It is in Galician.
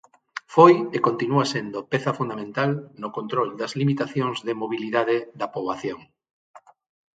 Foi e continúa sendo peza fundamental no control das limitacións de mobilidade da poboación.